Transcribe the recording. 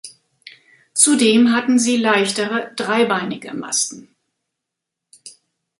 Zudem hatten sie leichtere, dreibeinige Masten.